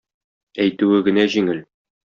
Әйтүе генә җиңел.